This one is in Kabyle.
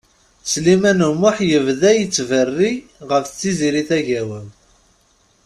Sliman U Muḥ yebda yettberri ɣef Tiziri Tagawawt.